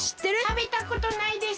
たべたことないです。